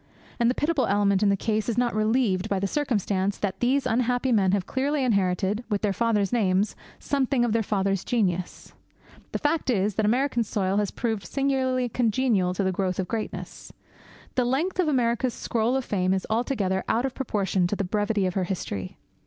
And the pitiable element in the case is not relieved by the circumstance that these unhappy men have clearly inherited, with their fathers' names, something of their fathers' genius. The fact is that American soil has proved singularly congenial to the growth of greatness. The length of America's scroll of fame is altogether out of proportion to the brevity of her history.